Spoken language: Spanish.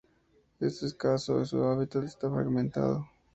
Es escaso y su hábitat está fragmentado.